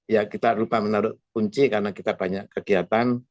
ya kita lupa menaruh kunci karena kita banyak kegiatan